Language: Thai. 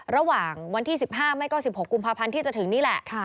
ระหว่างวันที่๑๕ไม่ก็๑๖กุมภาพันธ์ที่จะถึงนี่แหละ